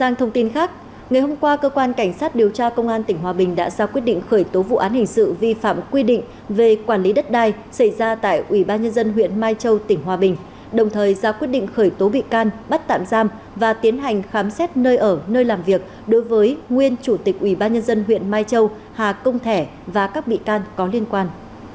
ngày hôm qua cơ quan cảnh sát điều tra công an tỉnh hòa bình đã ra quyết định khởi tố vụ án hình sự vi phạm quy định về quản lý đất đai xảy ra tại ubnd huyện mai châu tỉnh hòa bình đồng thời ra quyết định khởi tố bị can bắt tạm giam và tiến hành khám xét nơi ở nơi làm việc đối với nguyên chủ tịch ubnd huyện mai châu hà công thẻ và các bị can có liên quan